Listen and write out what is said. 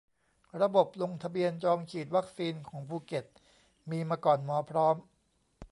ระบบลงทะเบียนจองฉีดวัคซีนของภูเก็ตมีมาก่อน หมอพร้อม